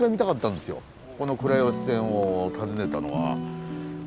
この倉吉線を訪ねたのは。